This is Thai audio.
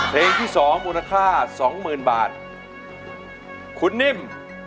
เพลงที่สองมูลค่าสองหมื่นบาทคุณนิ่ม